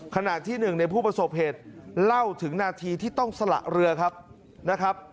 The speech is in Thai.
ขณะที่หนึ่งในผู้ประสบเหตุเล่าถึงนาทีที่ต้องสละเรือครับนะครับ